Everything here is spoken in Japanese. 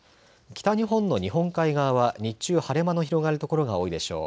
北日本の日本海側は日中、晴れ間の広がる所が多いでしょう。